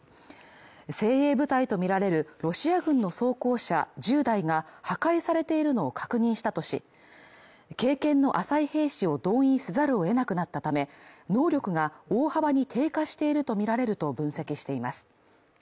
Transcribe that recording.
精鋭部隊とみられるロシア軍の装甲車１０台が破壊されているのを確認したとし、経験の浅い兵士を動員せざるを得なくなったため能力が大幅に低下しているとみられると分析しています。